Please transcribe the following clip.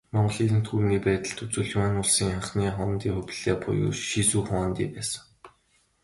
Монголын эзэнт гүрний байдалд үзвэл, Юань улсын анхны хуанди Хубилай буюу Шизү хуанди байсан.